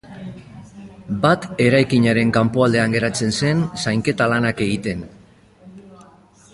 Bat eraikinaren kanpoaldean geratzen zen, zainketa lanak egiten.